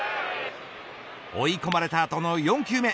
追い込まれた後の４球目。